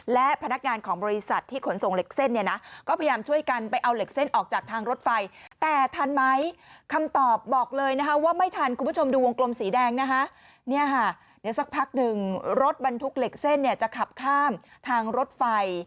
เกิดว่ารถบรรทุกเหล็กเส้นจะขับข้ามทางรถไฟ